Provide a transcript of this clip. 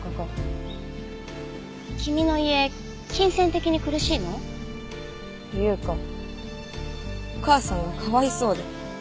君の家金銭的に苦しいの？っていうかお母さんがかわいそうで。